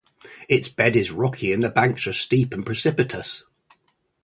Its bed is rocky, and the banks are steep and precipitous.